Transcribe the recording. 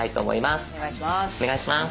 お願いします。